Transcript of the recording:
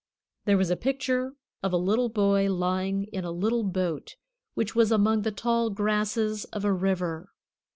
There was a picture of a little boy lying in a little boat which was among the tall grasses of a river.